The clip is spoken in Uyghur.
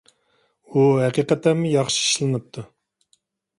ئۇ ھەقىقەتەنمۇ ياخشى ئىشلىنىپتۇ.